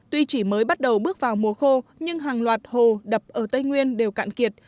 tuy chỉ mới bắt đầu bước vào mùa khô nhưng hàng loạt hồ đập ở tây nguyên đều cạn kiệt